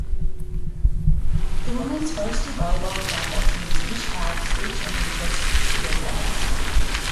The woman's varsity volleyball and softball teams each have state championships to their credits.